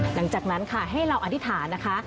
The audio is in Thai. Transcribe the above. หลังจากนั้นค่ะให้เราอธิษฐานนะคะ